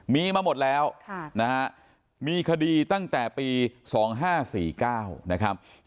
มีมาหมดแล้วนะฮะมีคดีตั้งแต่ปี๒๕๔๙นะครับ